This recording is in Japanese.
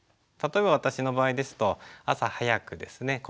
例えば私の場合ですと朝早くですね